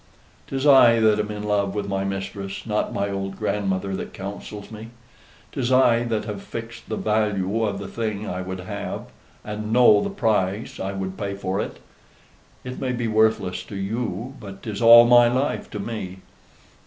'Tis I that am in love with my mistress, not my old grandmother that counsels me: 'tis I that have fixed the value of the thing I would have, and know the price I would pay for it. It may be worthless to you, but 'tis all my life to me.